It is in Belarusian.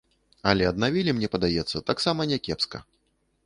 Але аднавілі, мне падаецца, таксама някепска.